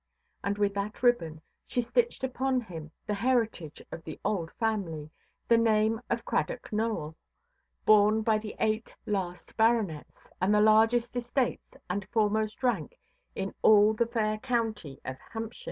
And with that ribbon she stitched upon him the heritage of the old family, the name of "Cradock Nowell", borne by the eight last baronets, and the largest estates and foremost rank in all the fair county of Hants.